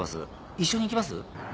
一緒に行きます？